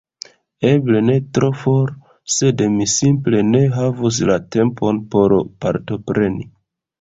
Eble ne tro for, sed mi simple ne havus la tempon por partopreni.